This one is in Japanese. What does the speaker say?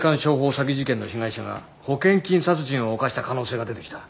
詐欺事件の被害者が保険金殺人を犯した可能性が出てきた。